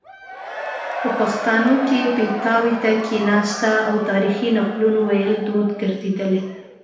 په پښتانو کې پیتاوي ته کیناستنه او تاریخي نقلونو ویل دود ګرځیدلی